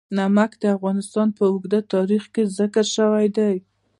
نمک د افغانستان په اوږده تاریخ کې ذکر شوی دی.